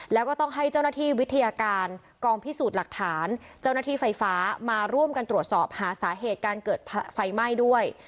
แล้วก็ต้องให้เจ้าหน้าที่วิทยาการกองพิสูจน์หลักฐานเจ้าหน้าที่ไฟฟ้ามาร่วมกันตรวจสอบหาสาเหตุการเกิดไฟไหม้ด้วย